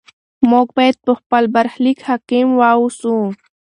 موږ باید په خپل برخلیک حاکم واوسو.